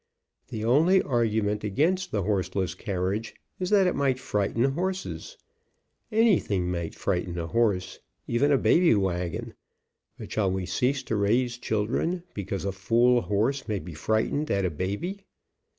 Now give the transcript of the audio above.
The only argument against the horseless carriage is that it might frighten horses. Anything may frighten a horse, even a baby wagon, but shall we cease to raise children because a fool horse may be frightened at a baby